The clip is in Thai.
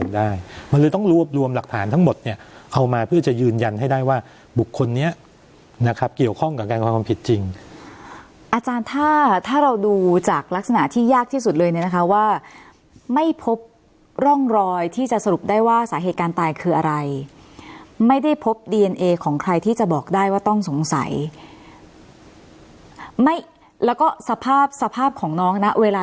ได้มันเลยต้องรวบรวมหลักฐานทั้งหมดเนี่ยเอามาเพื่อจะยืนยันให้ได้ว่าบุคคลเนี้ยนะครับเกี่ยวข้องกับการกระทำความผิดจริงอาจารย์ถ้าถ้าเราดูจากลักษณะที่ยากที่สุดเลยเนี่ยนะคะว่าไม่พบร่องรอยที่จะสรุปได้ว่าสาเหตุการณ์ตายคืออะไรไม่ได้พบดีเอนเอของใครที่จะบอกได้ว่าต้องสงสัยไม่แล้วก็สภาพสภาพของน้องนะเวลา